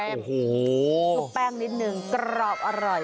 ชุบแป้งนิดนึงกรอบอร่อย